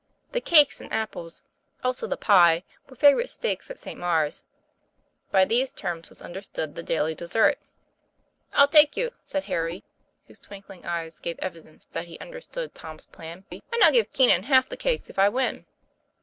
The "cakes and apples," also the "pie," were favorite stakes at St. Maure's. By these terms was understood the daily dessert. "I'll take you," said Harry, whose twinkling eyes gave evidence that he understood Tom's plan. "And I'll give Keenan half the cakes if I win."